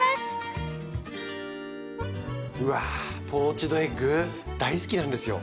うわポーチドエッグ大好きなんですよ。